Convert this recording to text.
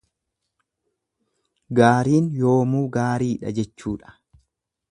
Gaariin yoomuu gaariidha jechuudha.